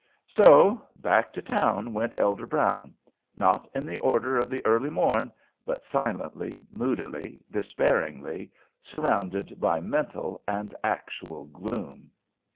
So back to town went Elder Brown, not in the order of the early morn, but silently, moodily, despairingly, surrounded by mental and actual gloom.